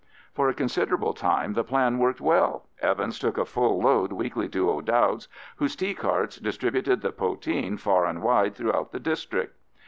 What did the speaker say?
For a considerable time the plan worked well. Evans took a full load weekly to O'Dowd's, whose tea carts distributed the poteen far and wide throughout the district.